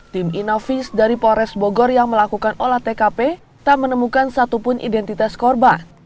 tim inavis dari polres bogor yang melakukan olah tkp tak menemukan satupun identitas korban